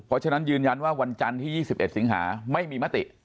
เพราะฉะนั้นยืนยันว่าวันจันทร์ที่๒๑สิงหาไม่มีมติ